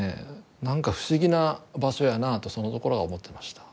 何か不思議な場所やなとそのころは思ってました。